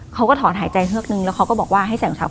เขาก็ถอนหายใจเฮือกนึงแล้วเขาก็บอกว่าให้ใส่รองเท้า